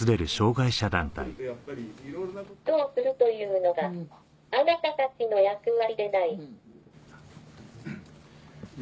どうするというのがあなたたちの役割？